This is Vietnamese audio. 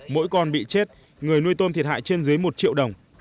mỗi con bị chết người nuôi tôm thiệt hại trên dưới một triệu đồng